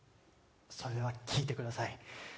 それでは聴いてください